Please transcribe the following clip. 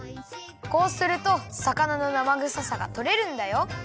こうするとさかなのなまぐささがとれるんだよ。